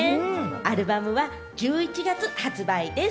アルバムは１１月発売です。